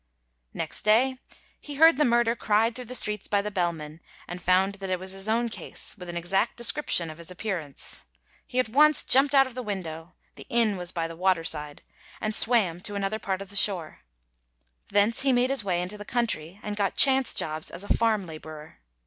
Next day he heard the murder cried through the streets by the bellman, and found that it was his own case, with an exact description of his appearance. He at once jumped out of the window—the inn was by the waterside—and swam to another part of the shore. Thence he made his way into the country and got chance jobs as a farm labourer.